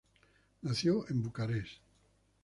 Nació en Bucarest.